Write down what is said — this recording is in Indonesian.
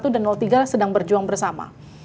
satu dan tiga sedang berjuang bersama